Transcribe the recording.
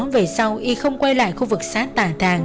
về sau y không quay lại khu vực sát tà thàng